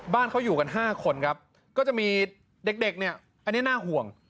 บ้านเขาอยู่กัน๕คนครับก็จะมีเด็กเนี่ยอันนี้น่าห่วง